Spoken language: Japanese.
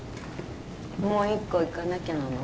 もう一個行かなきゃなの？